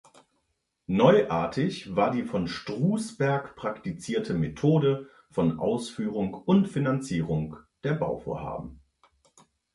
Neuartig war die von Strousberg praktizierte Methode von Ausführung und Finanzierung der Bauvorhaben.